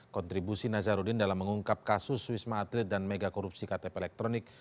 kontribusi nazarudin dalam mengungkap kasus wisma atlet dan mega korupsi ktp elektronik